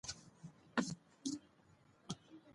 بامیان په افغانستان کې د ټولو خلکو د خوښې ځای دی.